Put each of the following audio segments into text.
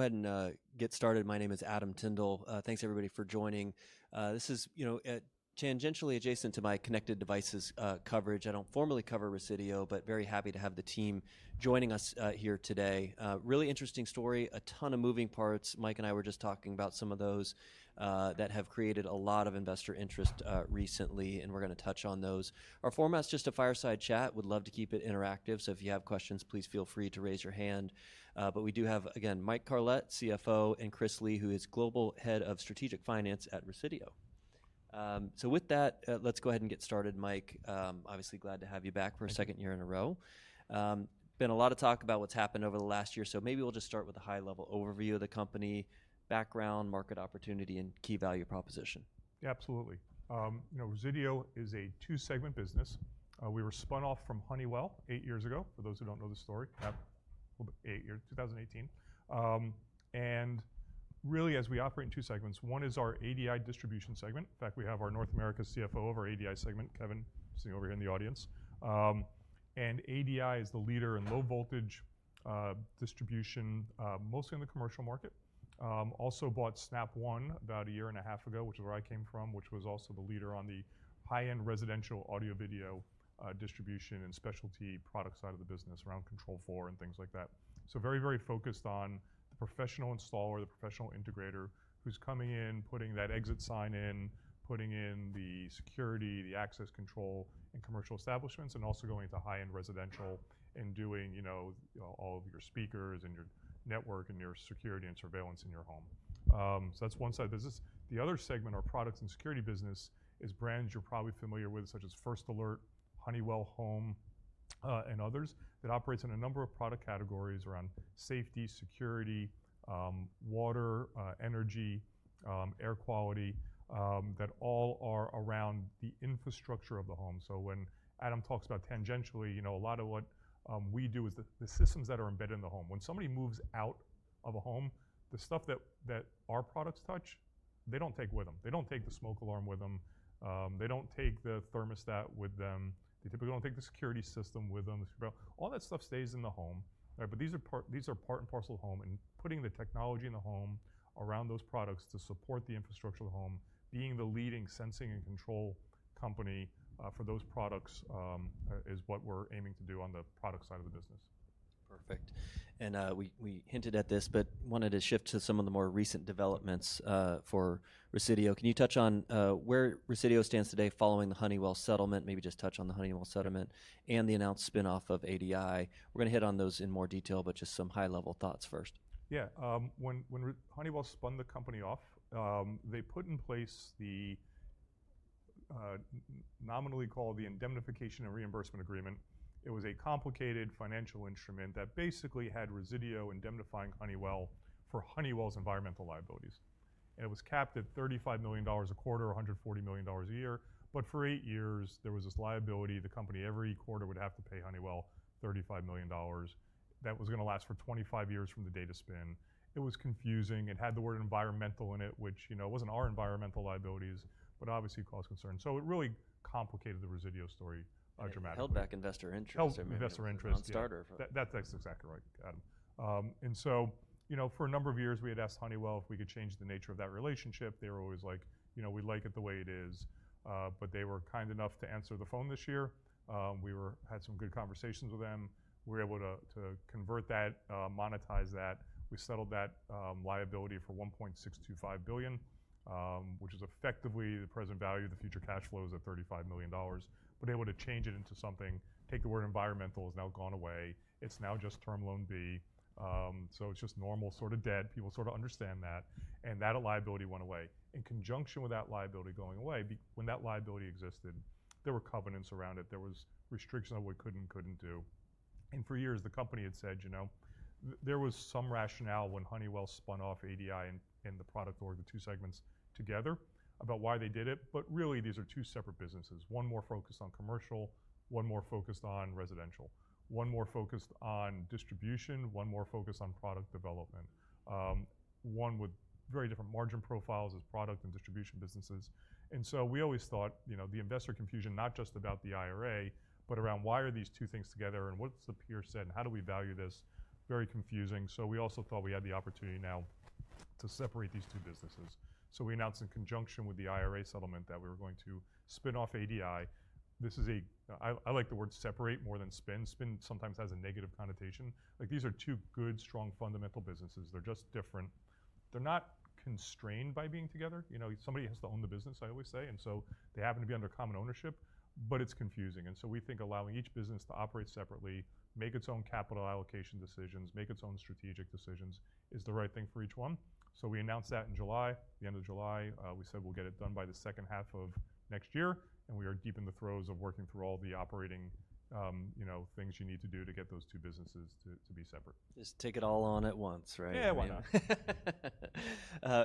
Go ahead and get started. My name is Adam Tindall. Thanks everybody for joining. This is, you know, tangentially adjacent to my connected devices coverage. I don't formally cover Resideo, but very happy to have the team joining us here today. Really interesting story, a ton of moving parts. Mike and I were just talking about some of those that have created a lot of investor interest recently, and we're gonna touch on those. Our format's just a fireside chat. Would love to keep it interactive, so if you have questions, please feel free to raise your hand. But we do have, again, Mike Carlet, CFO, and Chris Lee, who is Global Head of Strategic Finance at Resideo. So with that, let's go ahead and get started. Mike, obviously glad to have you back for a second year in a row. been a lot of talk about what's happened over the last year, so maybe we'll just start with a high-level overview of the company, background, market opportunity, and key value proposition. Absolutely. You know, Resideo is a two-segment business. We were spun off from Honeywell eight years ago, for those who don't know the story. Yeah, a little bit eight years, 2018. And really, as we operate in two segments, one is our ADI distribution segment. In fact, we have our North America CFO of our ADI segment, Kevin, sitting over here in the audience. And ADI is the leader in low-voltage distribution, mostly in the commercial market. Also bought Snap One about a year and a half ago, which is where I came from, which was also the leader on the high-end residential audio-video distribution and specialty products out of the business around Control4 and things like that. So very, very focused on the professional installer, the professional integrator, who's coming in, putting that exit sign in, putting in the security, the access control in commercial establishments, and also going to high-end residential and doing, you know, all of your speakers and your network and your security and surveillance in your home. So that's one side of the business. The other segment, our products and security business, is brands you're probably familiar with, such as First Alert, Honeywell Home, and others, that operates in a number of product categories around safety, security, water, energy, air quality, that all are around the infrastructure of the home. So when Adam talks about tangentially, you know, a lot of what we do is the systems that are embedded in the home. When somebody moves out of a home, the stuff that our products touch, they don't take with them. They don't take the smoke alarm with them. They don't take the thermostat with them. They typically don't take the security system with them. All that stuff stays in the home, right? But these are part, these are part and parcel of the home, and putting the technology in the home around those products to support the infrastructure of the home, being the leading sensing and control company, for those products, is what we're aiming to do on the product side of the business. Perfect. And we hinted at this, but wanted to shift to some of the more recent developments for Resideo. Can you touch on where Resideo stands today following the Honeywell settlement? Maybe just touch on the Honeywell settlement and the announced spinoff of ADI. We're gonna hit on those in more detail, but just some high-level thoughts first. Yeah. When Honeywell spun the company off, they put in place the, nominally called the Indemnification and Reimbursement Agreement. It was a complicated financial instrument that basically had Resideo indemnifying Honeywell for Honeywell's environmental liabilities. And it was capped at $35 million a quarter or $140 million a year, but for eight years, there was this liability. The company, every quarter, would have to pay Honeywell $35 million. That was gonna last for 25 years from the date of spin. It was confusing. It had the word environmental in it, which, you know, wasn't our environmental liabilities, but obviously caused concern. So it really complicated the Resideo story, dramatically. Held back investor interest. Held back investor interest. Non-starter. That's exactly right, Adam. And so, you know, for a number of years, we had asked Honeywell if we could change the nature of that relationship. They were always like, you know, we like it the way it is. But they were kind enough to answer the phone this year. We had some good conversations with them. We were able to convert that, monetize that. We settled that liability for $1.625 billion, which is effectively the present value of the future cash flows at $35 million. But able to change it into something. The word environmental has now gone away. It's now just Term Loan B. So it's just normal sort of debt. People sort of understand that. And that liability went away. In conjunction with that liability going away, when that liability existed, there were covenants around it. There was restriction of what could and couldn't do. And for years, the company had said, you know, there was some rationale when Honeywell spun off ADI and, and the product or the two segments together about why they did it, but really, these are two separate businesses. One more focused on commercial, one more focused on residential, one more focused on distribution, one more focused on product development. One with very different margin profiles as product and distribution businesses. And so we always thought, you know, the investor confusion, not just about the IRA, but around why are these two things together and what's the peer set and how do we value this. Very confusing. So we also thought we had the opportunity now to separate these two businesses. So we announced in conjunction with the IRA settlement that we were going to spin off ADI. I like the word separate more than spin. Spin sometimes has a negative connotation. Like, these are two good, strong fundamental businesses. They're just different. They're not constrained by being together. You know, somebody has to own the business, I always say, and so they happen to be under common ownership, but it's confusing, and so we think allowing each business to operate separately, make its own capital allocation decisions, make its own strategic decisions is the right thing for each one, so we announced that in July, the end of July. We said we'll get it done by the second half of next year, and we are deep in the throes of working through all the operating, you know, things you need to do to get those two businesses to be separate. Just take it all on at once, right? Yeah, why not?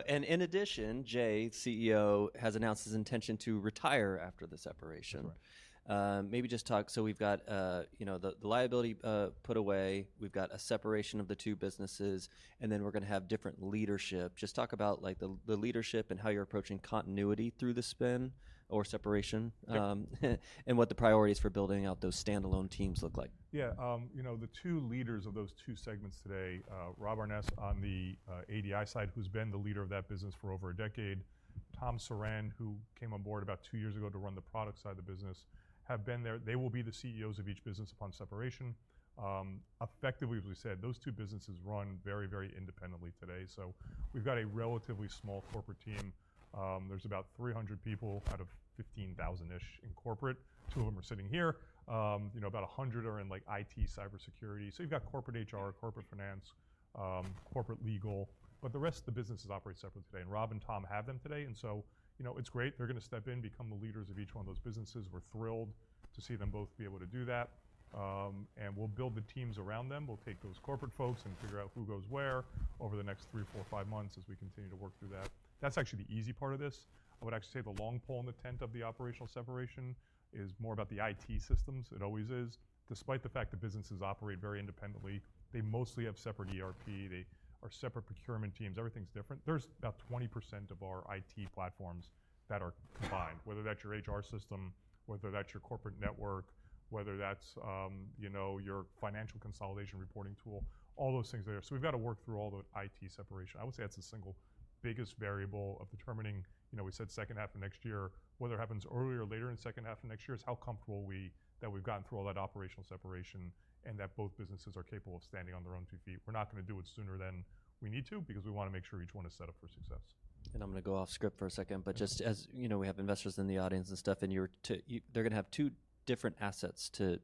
And in addition, Jay, CEO, has announced his intention to retire after the separation. That's right. Maybe just talk. So we've got, you know, the liability put away. We've got a separation of the two businesses, and then we're gonna have different leadership. Just talk about, like, the leadership and how you're approaching continuity through the spin or separation. Yeah. and what the priorities for building out those standalone teams look like. Yeah. You know, the two leaders of those two segments today, Rob Aarnes on the ADI side, who's been the leader of that business for over a decade, Tom Surran, who came on board about two years ago to run the product side of the business, have been there. They will be the CEOs of each business upon separation. Effectively, as we said, those two businesses run very, very independently today. So we've got a relatively small corporate team. There's about 300 people out of 15,000-ish in corporate. Two of them are sitting here. You know, about 100 are in, like, IT, cybersecurity. So you've got corporate HR, corporate finance, corporate legal, but the rest of the businesses operate separately today. And Rob and Tom have them today. And so, you know, it's great. They're gonna step in, become the leaders of each one of those businesses. We're thrilled to see them both be able to do that, and we'll build the teams around them. We'll take those corporate folks and figure out who goes where over the next three, four, five months as we continue to work through that. That's actually the easy part of this. I would actually say the long pole in the tent of the operational separation is more about the IT systems. It always is. Despite the fact that businesses operate very independently, they mostly have separate ERP. They are separate procurement teams. Everything's different. There's about 20% of our IT platforms that are combined, whether that's your HR system, whether that's your corporate network, whether that's, you know, your financial consolidation reporting tool, all those things there. So we've gotta work through all the IT separation. I would say that's the single biggest variable of determining, you know, we said second half of next year, whether it happens earlier or later in second half of next year, is how comfortable we that we've gotten through all that operational separation and that both businesses are capable of standing on their own two feet. We're not gonna do it sooner than we need to because we wanna make sure each one is set up for success. I'm gonna go off script for a second, but just as, you know, we have investors in the audience and stuff, and you're too, they're gonna have two different assets to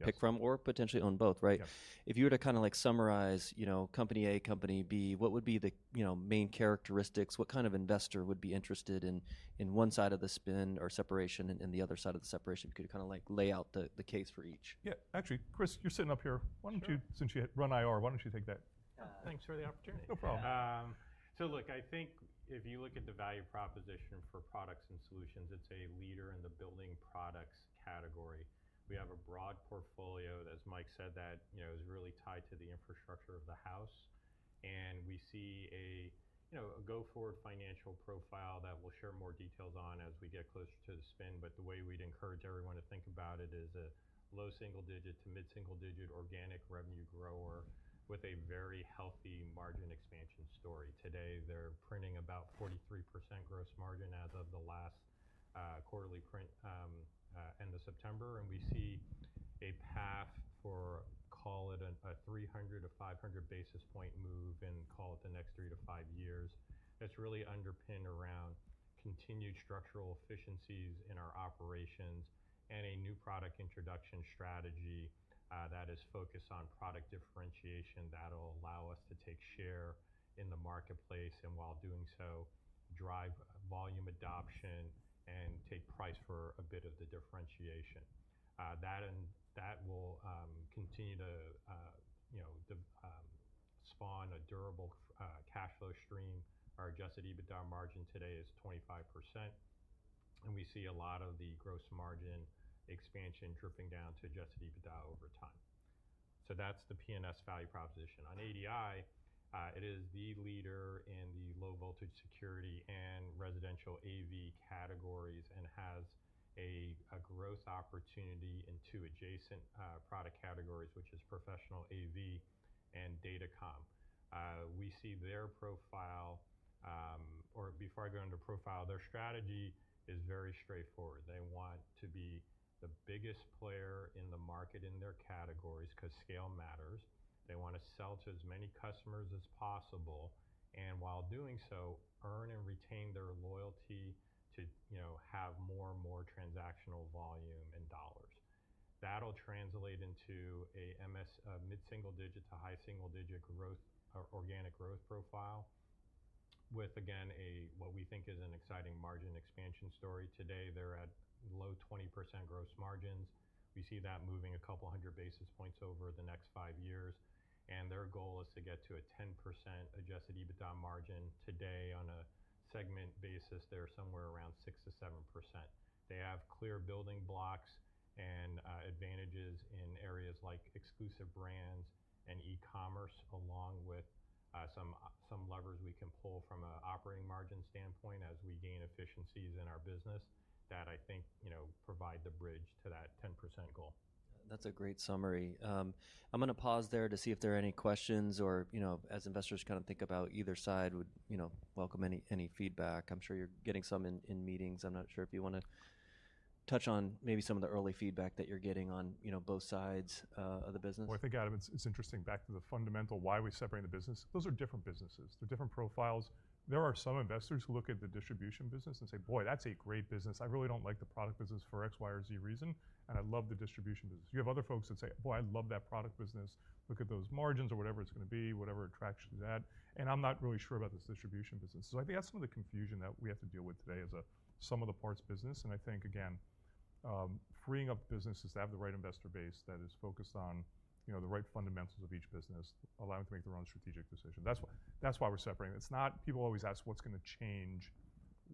pick from or potentially own both, right? Yeah. If you were to kinda like summarize, you know, company A, company B, what would be the, you know, main characteristics? What kind of investor would be interested in one side of the spin or separation and the other side of the separation? If you could kinda like lay out the case for each. Yeah. Actually, Chris, you're sitting up here. Why don't you, since you run IR, why don't you take that? Thanks for the opportunity. No problem. So look, I think if you look at the value proposition for Products and Solutions, it's a leader in the building products category. We have a broad portfolio, as Mike said, that, you know, is really tied to the infrastructure of the house. And we see a, you know, a go-forward financial profile that we'll share more details on as we get closer to the spin. But the way we'd encourage everyone to think about it is a low single digit to mid-single digit organic revenue grower with a very healthy margin expansion story. Today, they're printing about 43% gross margin as of the last quarterly print, end of September. And we see a path for, call it a 300-500 basis points move in, call it the next three to five years. That's really underpinned around continued structural efficiencies in our operations and a new product introduction strategy, that is focused on product differentiation that'll allow us to take share in the marketplace and, while doing so, drive volume adoption and take price for a bit of the differentiation. That will continue to, you know, spawn a durable cash flow stream. Our Adjusted EBITDA margin today is 25%, and we see a lot of the gross margin expansion dripping down to Adjusted EBITDA over time. So that's the P&S value proposition. On ADI, it is the leader in the low-voltage security and residential AV categories and has a growth opportunity into adjacent product categories, which is professional AV and Datacom. We see their profile, or before I go into profile, their strategy is very straightforward. They want to be the biggest player in the market in their categories 'cause scale matters. They wanna sell to as many customers as possible and, while doing so, earn and retain their loyalty to, you know, have more and more transactional volume and dollars. That'll translate into a mid-single-digit to high-single-digit growth, organic growth profile with, again, a what we think is an exciting margin expansion story. Today, they're at low 20% gross margins. We see that moving a couple hundred basis points over the next five years. Their goal is to get to a 10% adjusted EBITDA margin. Today, on a segment basis, they're somewhere around 6%-7%. They have clear building blocks and advantages in areas like exclusive brands and e-commerce, along with some levers we can pull from an operating margin standpoint as we gain efficiencies in our business that I think, you know, provide the bridge to that 10% goal. That's a great summary. I'm gonna pause there to see if there are any questions or, you know, as investors kinda think about either side, would, you know, welcome any feedback. I'm sure you're getting some in meetings. I'm not sure if you wanna touch on maybe some of the early feedback that you're getting on, you know, both sides, of the business. I think, Adam, it's interesting. Back to the fundamental, why are we separating the business? Those are different businesses. They're different profiles. There are some investors who look at the distribution business and say, "Boy, that's a great business. I really don't like the product business for X, Y, or Z reason, and I love the distribution business." You have other folks that say, "Boy, I love that product business. Look at those margins or whatever it's gonna be, whatever attraction that." And I'm not really sure about this distribution business. So I think that's some of the confusion that we have to deal with today as a sum of the parts business. And I think, again, freeing up businesses to have the right investor base that is focused on, you know, the right fundamentals of each business, allowing them to make their own strategic decision. That's what, that's why we're separating. It's not, people always ask what's gonna change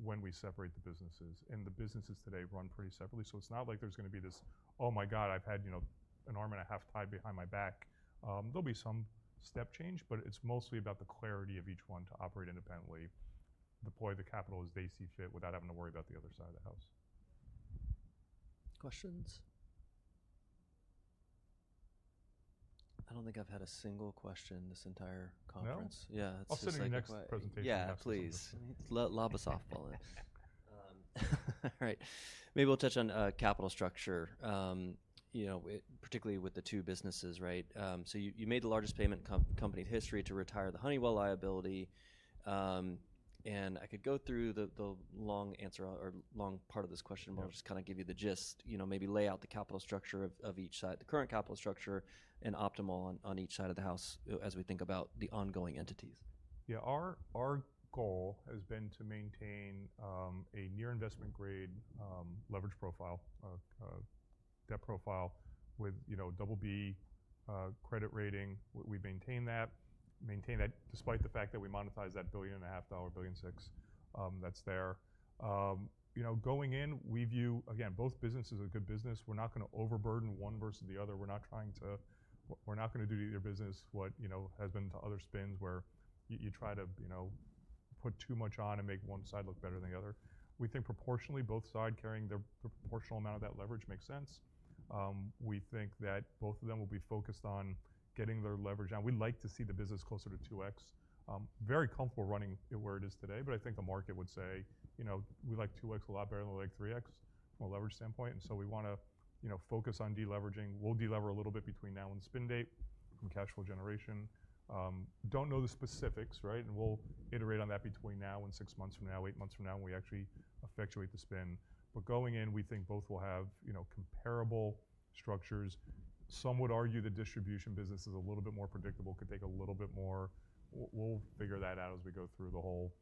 when we separate the businesses. And the businesses today run pretty separately. So it's not like there's gonna be this, "Oh my God, I've had, you know, an arm and a half tied behind my back." There'll be some step change, but it's mostly about the clarity of each one to operate independently, deploy the capital as they see fit without having to worry about the other side of the house. Questions? I don't think I've had a single question this entire conference. No. Yeah. I'll send you the next presentation. Yeah, please. Lob a softball in. All right. Maybe we'll touch on capital structure. You know, it particularly with the two businesses, right? So you made the largest payment to a company in history to retire the Honeywell liability. And I could go through the long answer or long part of this question, but I'll just kinda give you the gist. You know, maybe lay out the capital structure of each side, the current capital structure and optimal on each side of the house as we think about the ongoing entities. Yeah. Our goal has been to maintain a near investment grade leverage profile, debt profile with, you know, double B credit rating. We maintain that despite the fact that we monetize that $1.5 billion, $1.6 billion that's there. You know, going in, we view, again, both businesses are good businesses. We're not gonna overburden one versus the other. We're not trying to, we're not gonna do to either business what, you know, has been to other spinoffs where you try to, you know, put too much on and make one side look better than the other. We think proportionally, both sides carrying their proportional amount of that leverage makes sense. We think that both of them will be focused on getting their leverage down. We'd like to see the business closer to 2X. Very comfortable running it where it is today, but I think the market would say, you know, we like 2X a lot better than we like 3X from a leverage standpoint. And so we wanna, you know, focus on deleveraging. We'll delever a little bit between now and spin date from cash flow generation. Don't know the specifics, right? And we'll iterate on that between now and six months from now, eight months from now when we actually effectuate the spin. But going in, we think both will have, you know, comparable structures. Some would argue the distribution business is a little bit more predictable, could take a little bit more. We'll figure that out as we go through the whole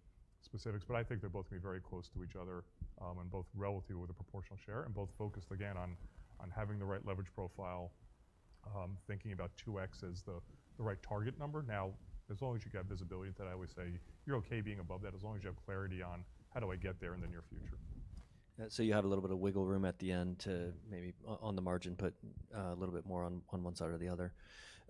specifics. But I think they're both gonna be very close to each other, and both relative with a proportional share and both focused, again, on having the right leverage profile, thinking about 2X as the right target number. Now, as long as you got visibility to that, I always say you're okay being above that as long as you have clarity on how do I get there in the near future. So you have a little bit of wiggle room at the end to maybe, on the margin, put a little bit more on one side or the other.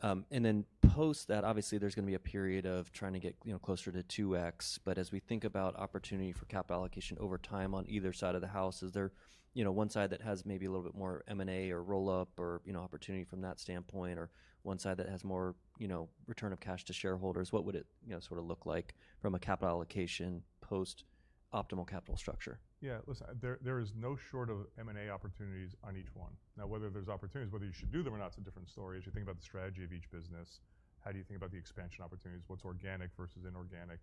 And then, post that, obviously, there's gonna be a period of trying to get, you know, closer to 2X. But as we think about opportunity for capital allocation over time on either side of the house, is there, you know, one side that has maybe a little bit more M&A or roll-up or, you know, opportunity from that standpoint, or one side that has more, you know, return of cash to shareholders? What would it, you know, sort of look like from a capital allocation post-optimal capital structure? Yeah. Listen, there's no shortage of M&A opportunities in each one. Now, whether there's opportunities, whether you should do them or not, it's a different story. As you think about the strategy of each business, how do you think about the expansion opportunities, what's organic versus inorganic?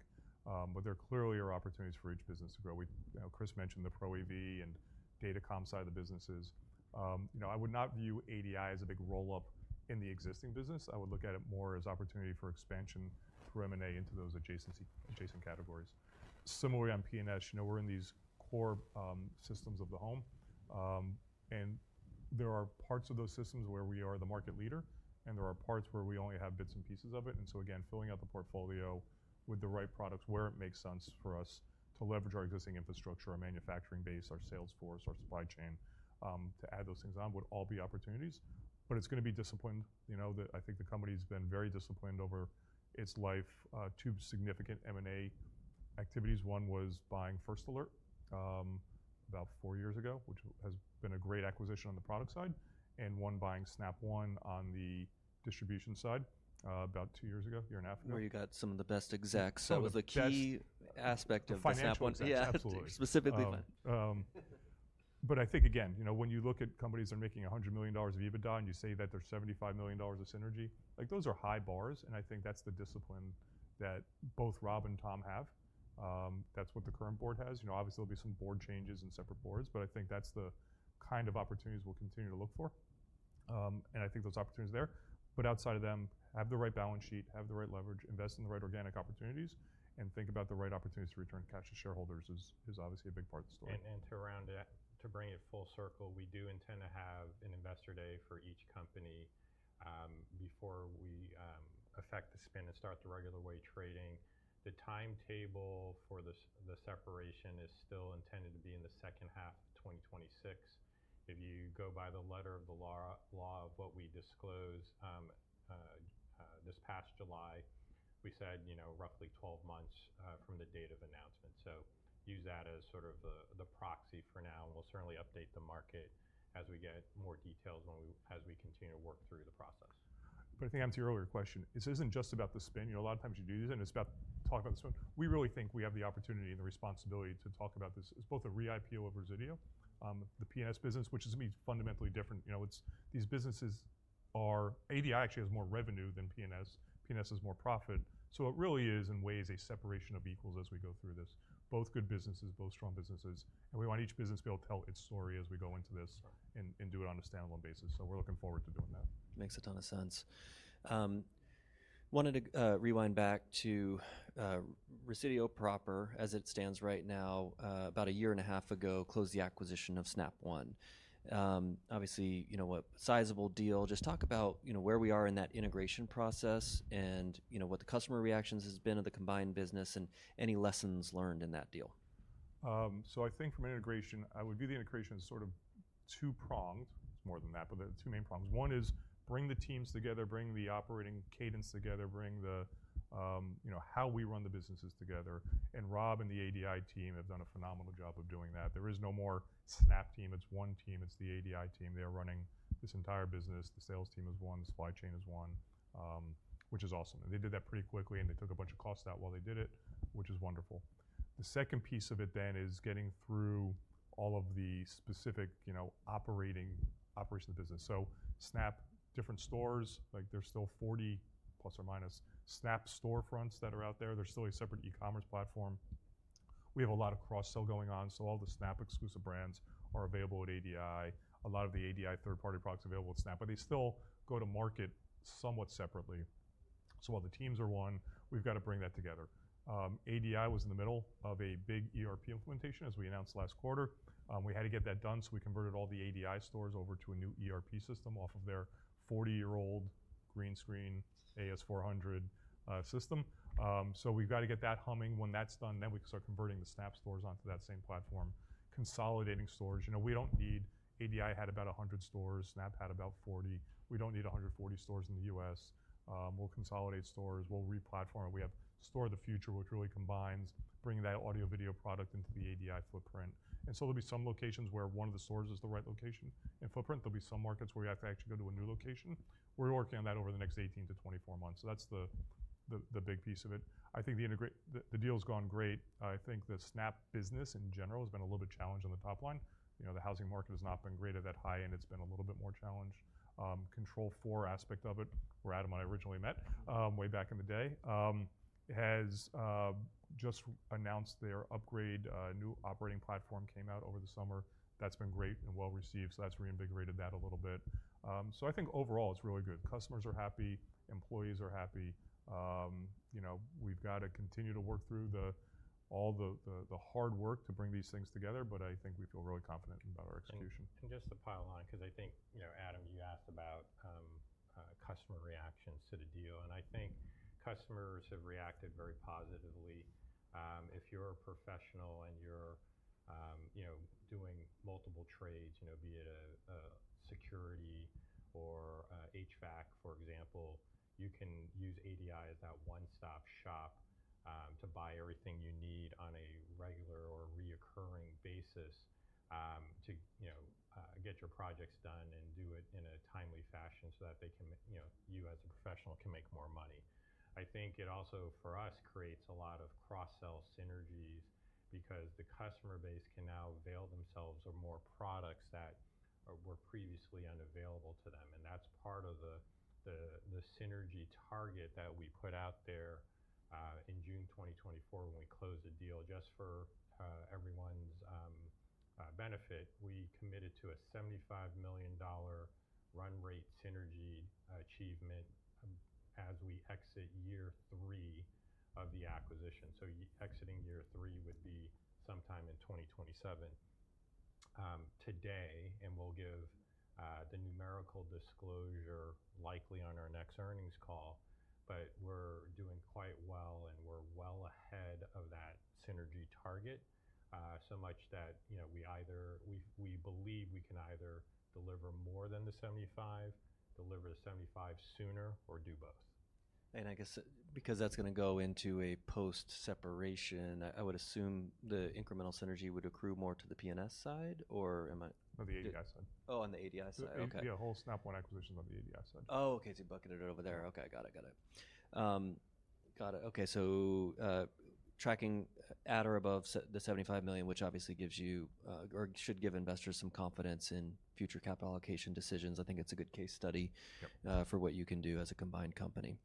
But there clearly are opportunities for each business to grow. We, you know, Chris mentioned the Pro AV and datacom side of the businesses. You know, I would not view ADI as a big roll-up in the existing business. I would look at it more as opportunity for expansion through M&A into those adjacency, adjacent categories. Similarly, on P&S, you know, we're in these core, systems of the home. And there are parts of those systems where we are the market leader, and there are parts where we only have bits and pieces of it. And so, again, filling out the portfolio with the right products where it makes sense for us to leverage our existing infrastructure, our manufacturing base, our sales force, our supply chain, to add those things on would all be opportunities. But it's gonna be disciplined. You know, the, I think the company's been very disciplined over its life, two significant M&A activities. One was buying First Alert, about four years ago, which has been a great acquisition on the product side, and one buying Snap One on the distribution side, about two years ago, year and a half ago. Where you got some of the best execs. So the key aspect of Snap One. Find out what's up. Yeah, specifically find. But I think, again, you know, when you look at companies that are making $100 million of EBITDA and you say that they're $75 million of synergy, like those are high bars. And I think that's the discipline that both Rob and Tom have. That's what the current board has. You know, obviously, there'll be some board changes and separate boards, but I think that's the kind of opportunities we'll continue to look for. And I think those opportunities are there. But outside of them, have the right balance sheet, have the right leverage, invest in the right organic opportunities, and think about the right opportunities to return cash to shareholders is obviously a big part of the story. And to round it to bring it full circle, we do intend to have an investor day for each company before we effect the spin and start the regular-way trading. The timetable for the separation is still intended to be in the second half of 2026. If you go by the letter of the law of what we disclose, this past July, we said, you know, roughly 12 months from the date of announcement. So use that as sort of the proxy for now. And we'll certainly update the market as we get more details as we continue to work through the process. But I think I answered your earlier question. This isn't just about the spin. You know, a lot of times you do this, and it's about talking about the spin. We really think we have the opportunity and the responsibility to talk about this. It's both a re-IPO of Resideo, the P&S business, which is gonna be fundamentally different. You know, it's these businesses are ADI actually has more revenue than P&S. P&S has more profit. So it really is, in ways, a separation of equals as we go through this. Both good businesses, both strong businesses. And we want each business to be able to tell its story as we go into this and do it on a standalone basis. So we're looking forward to doing that. Makes a ton of sense. Wanted to rewind back to Resideo Proper as it stands right now. About a year and a half ago, closed the acquisition of Snap One. Obviously, you know, a sizable deal. Just talk about, you know, where we are in that integration process and, you know, what the customer reactions have been of the combined business and any lessons learned in that deal. So I think from integration, I would view the integration as sort of two-pronged. It's more than that, but the two main prongs. One is bring the teams together, bring the operating cadence together, bring the, you know, how we run the businesses together. And Rob and the ADI team have done a phenomenal job of doing that. There is no more Snap team. It's one team. It's the ADI team. They are running this entire business. The sales team is one. The supply chain is one, which is awesome. And they did that pretty quickly, and they took a bunch of costs out while they did it, which is wonderful. The second piece of it then is getting through all of the specific, you know, operating, operation of the business. So Snap, different stores, like there's still 40 plus or minus Snap storefronts that are out there. There's still a separate e-commerce platform. We have a lot of cross-sell going on, so all the Snap exclusive brands are available at ADI. A lot of the ADI third-party products available at Snap, but they still go to market somewhat separately, so while the teams are one, we've gotta bring that together. ADI was in the middle of a big ERP implementation as we announced last quarter. We had to get that done, so we converted all the ADI stores over to a new ERP system off of their 40-year-old green screen AS400 system, so we've gotta get that humming. When that's done, then we can start converting the Snap stores onto that same platform, consolidating stores. You know, we don't need. ADI had about 100 stores. Snap had about 40. We don't need 140 stores in the U.S. We'll consolidate stores. We'll re-platform it. We have store of the future, which really combines bringing that audio-video product into the ADI footprint. And so there'll be some locations where one of the stores is the right location and footprint. There'll be some markets where you have to actually go to a new location. We're working on that over the next 18-24 months. So that's the big piece of it. I think the integration, the deal's gone great. I think the Snap business in general has been a little bit challenged on the top line. You know, the housing market has not been great at that high, and it's been a little bit more challenged. Control4 aspect of it, where Adam and I originally met, way back in the day, has just announced their upgrade. New operating platform came out over the summer. That's been great and well received. So that's reinvigorated that a little bit. So I think overall it's really good. Customers are happy. Employees are happy. You know, we've gotta continue to work through all the hard work to bring these things together. But I think we feel really confident about our execution. And just to pile on, 'cause I think, you know, Adam, you asked about customer reactions to the deal. And I think customers have reacted very positively. If you're a professional and you're, you know, doing multiple trades, you know, be it a security or HVAC, for example, you can use ADI as that one-stop shop to buy everything you need on a regular or recurring basis to, you know, get your projects done and do it in a timely fashion so that they can, you know, you as a professional can make more money. I think it also, for us, creates a lot of cross-sell synergies because the customer base can now avail themselves of more products that were previously unavailable to them. And that's part of the synergy target that we put out there in June 2024 when we closed the deal just for everyone's benefit. We committed to a $75 million run rate synergy achievement as we exit year three of the acquisition. So exiting year three would be sometime in 2027 today. And we'll give the numerical disclosure likely on our next earnings call. But we're doing quite well, and we're well ahead of that synergy target, so much that, you know, we believe we can either deliver more than the 75, deliver the 75 sooner, or do both. I guess because that's gonna go into a post-separation, I would assume the incremental synergy would accrue more to the P&S side, or am I? On the ADI side. Oh, on the ADI side. Okay. Yeah. Yeah. Whole Snap One acquisition is on the ADI side. Oh, okay. So you're bucketed over there. Okay. Got it. Okay. So, tracking at or above the $75 million, which obviously gives you, or should give investors some confidence in future capital allocation decisions. I think it's a good case study. Yep. For what you can do as a combined company.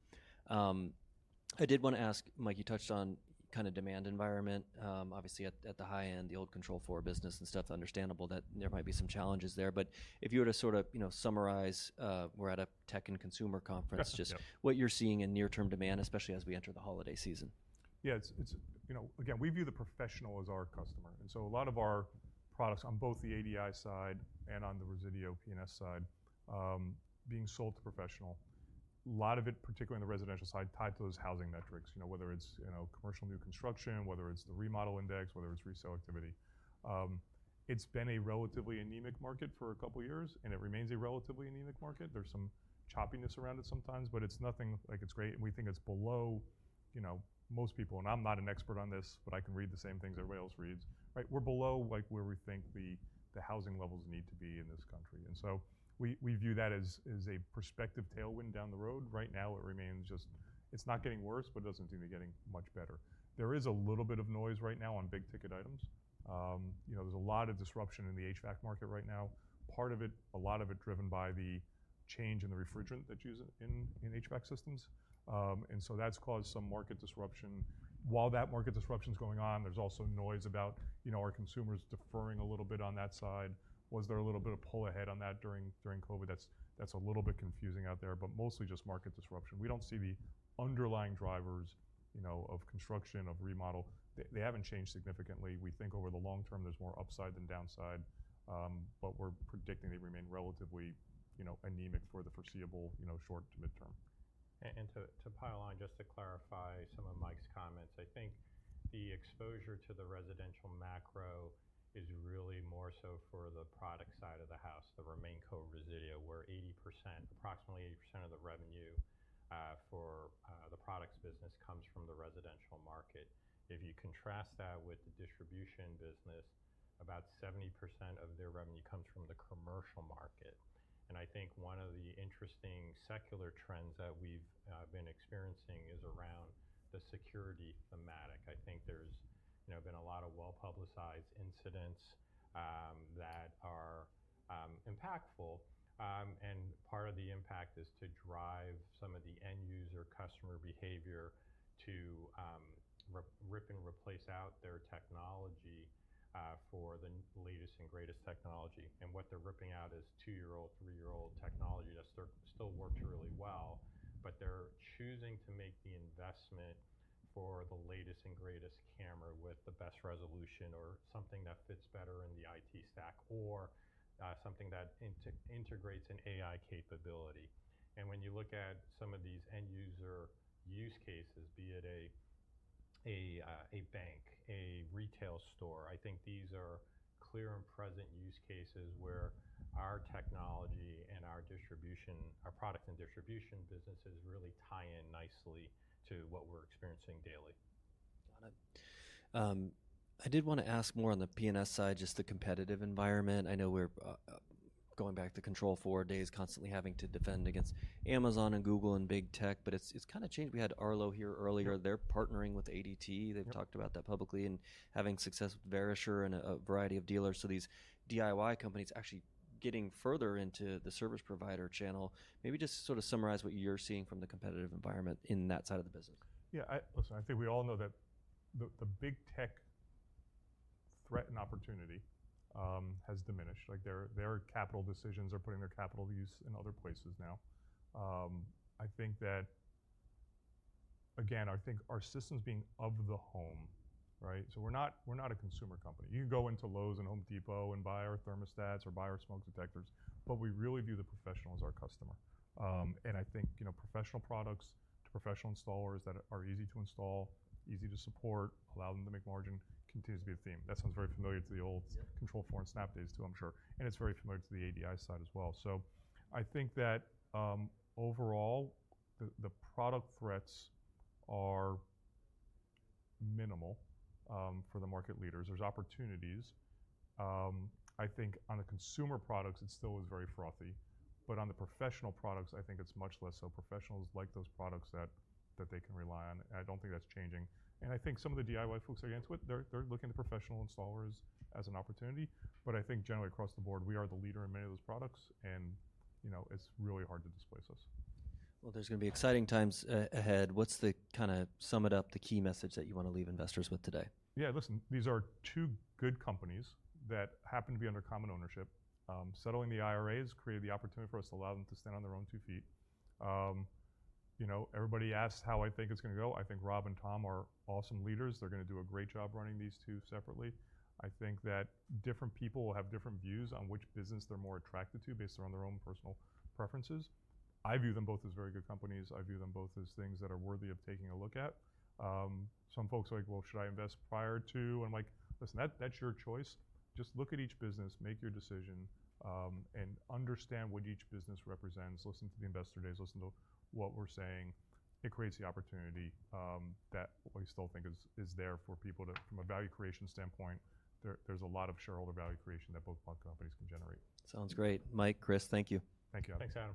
I did wanna ask, Mike, you touched on kind of demand environment. Obviously at the high end, the old Control4 business and stuff, understandable that there might be some challenges there. But if you were to sort of, you know, summarize, we're at a tech and consumer conference, just what you're seeing in near-term demand, especially as we enter the holiday season. Yeah. It's, you know, again, we view the professional as our customer. And so a lot of our products on both the ADI side and on the Resideo P&S side, being sold to professional, a lot of it, particularly on the residential side, tied to those housing metrics, you know, whether it's, you know, commercial new construction, whether it's the remodel index, whether it's resale activity. It's been a relatively anemic market for a couple of years, and it remains a relatively anemic market. There's some choppiness around it sometimes, but it's nothing like it's great. And we think it's below, you know, most people, and I'm not an expert on this, but I can read the same things everybody else reads, right? We're below, like, where we think the housing levels need to be in this country. And so we view that as a perspective tailwind down the road. Right now, it remains just. It's not getting worse, but it doesn't seem to be getting much better. There is a little bit of noise right now on big ticket items. You know, there's a lot of disruption in the HVAC market right now, part of it, a lot of it driven by the change in the refrigerant that's used in HVAC systems. And so that's caused some market disruption. While that market disruption's going on, there's also noise about, you know, are consumers deferring a little bit on that side? Was there a little bit of pull ahead on that during COVID? That's a little bit confusing out there, but mostly just market disruption. We don't see the underlying drivers, you know, of construction, of remodel. They haven't changed significantly. We think over the long term, there's more upside than downside. But we're predicting they remain relatively, you know, anemic for the foreseeable, you know, short to midterm. To pile on, just to clarify some of Mike's comments, I think the exposure to the residential macro is really more so for the product side of the house, the remaining co. Resideo, where approximately 80% of the revenue for the products business comes from the residential market. If you contrast that with the distribution business, about 70% of their revenue comes from the commercial market. I think one of the interesting secular trends that we've been experiencing is around the security thematic. I think there's you know been a lot of well-publicized incidents that are impactful. And part of the impact is to drive some of the end user customer behavior to rip and replace out their technology for the latest and greatest technology. And what they're ripping out is two-year-old, three-year-old technology that still works really well, but they're choosing to make the investment for the latest and greatest camera with the best resolution or something that fits better in the IT stack or something that integrates an AI capability. And when you look at some of these end user use cases, be it a bank, a retail store, I think these are clear and present use cases where our technology and our distribution, our product and distribution businesses really tie in nicely to what we're experiencing daily. Got it. I did wanna ask more on the P&S side, just the competitive environment. I know we're, going back to Control4 days, constantly having to defend against Amazon and Google and big tech, but it's, it's kind of changed. We had Arlo here earlier. They're partnering with ADT. They've talked about that publicly and having success with Verisure and a variety of dealers. So these DIY companies actually getting further into the service provider channel. Maybe just sort of summarize what you're seeing from the competitive environment in that side of the business. Yeah. I'm sorry. I think we all know that the big tech threat and opportunity has diminished. Like their capital decisions are putting their capital use in other places now. I think that, again, I think our system's being of the home, right? So we're not a consumer company. You can go into Lowe's and Home Depot and buy our thermostats or buy our smoke detectors, but we really view the professional as our customer. And I think, you know, professional products to professional installers that are easy to install, easy to support, allow them to make margin continues to be a theme. That sounds very familiar to the old Control4 and Snap days too, I'm sure. And it's very familiar to the ADI side as well. So I think that, overall, the product threats are minimal, for the market leaders. There's opportunities. I think on the consumer products, it still is very frothy. But on the professional products, I think it's much less so. Professionals like those products that they can rely on. And I don't think that's changing. And I think some of the DIY folks are against it. They're looking to professional installers as an opportunity. But I think generally across the board, we are the leader in many of those products. And, you know, it's really hard to displace us. There's gonna be exciting times ahead. What's the kind of sum it up, the key message that you wanna leave investors with today? Yeah. Listen, these are two good companies that happen to be under common ownership. Settling the IRAs created the opportunity for us to allow them to stand on their own two feet. You know, everybody asks how I think it's gonna go. I think Rob and Tom are awesome leaders. They're gonna do a great job running these two separately. I think that different people will have different views on which business they're more attracted to based on their own personal preferences. I view them both as very good companies. I view them both as things that are worthy of taking a look at. Some folks are like, well, should I invest prior to? And I'm like, listen, that, that's your choice. Just look at each business, make your decision, and understand what each business represents. Listen to the investor days. Listen to what we're saying. It creates the opportunity that we still think is there for people to, from a value creation standpoint, there's a lot of shareholder value creation that both companies can generate. Sounds great. Mike, Chris, thank you. Thank you, Adam. Thanks, Adam.